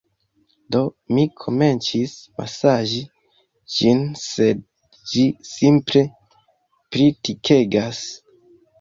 Do, mi komencis masaĝi ĝin sed ĝi simple pli tikegas